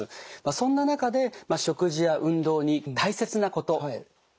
そんな中で食事や運動に大切なことお願いします。